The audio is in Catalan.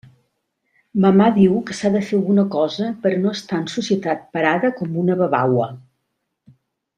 Mamà diu que s'ha de fer alguna cosa per a no estar en societat parada com una babaua.